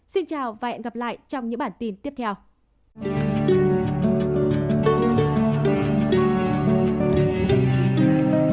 xin chào và hẹn gặp lại trong những bản tin tiếp theo